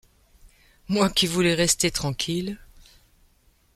Moi qui voulais rester tranquille !...